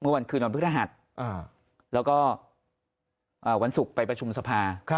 วันคืนวันพฤหัสแล้วก็วันศุกร์ไปประชุมสภา